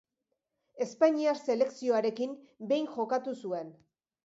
Espainiar selekzioarekin behin jokatu zuen.